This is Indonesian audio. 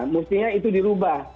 mestinya itu dirubah